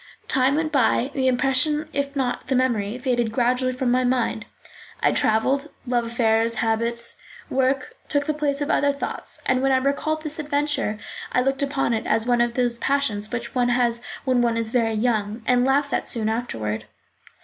Time went by, the impression, if not the memory, faded gradually from my mind. I travelled; love affairs, habits, work, took the place of other thoughts, and when I recalled this adventure I looked upon it as one of those passions which one has when one is very young, and laughs at soon afterward.